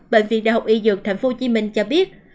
bệnh viện đại học y dược tp hcm cho biết